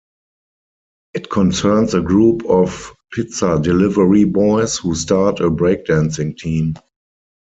It concerns a group of pizza delivery boys who start a break dancing team.